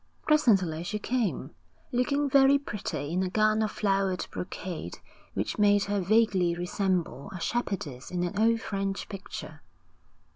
Presently she came, looking very pretty in a gown of flowered brocade which made her vaguely resemble a shepherdess in an old French picture.